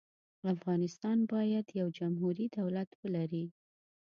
افغانستان باید یو جمهوري دولت ولري.